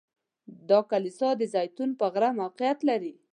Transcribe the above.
دا کلیسا د زیتون پر غره موقعیت لري.